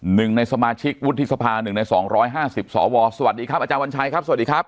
หนึ่งในสมาชิกวุฒิสภา๑ใน๒๕๐สวสวัสดีครับอาจารย์วันชัยครับสวัสดีครับ